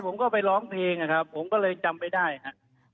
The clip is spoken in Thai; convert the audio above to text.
ผมก็ไปร้องเพลงนะครับผมก็เลยจำไม่ได้ครับ